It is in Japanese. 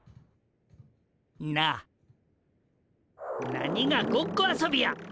な何がごっこ遊びや。